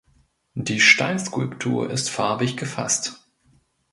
Die Steinskulptur ist farbig gefasst.